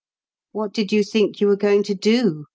'' What did you think you were going to do